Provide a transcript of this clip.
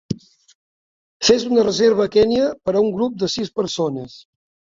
Fes una reserva a Kenya per a un grup de sis persones